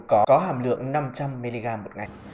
có hàm lượng năm trăm linh mg một ngày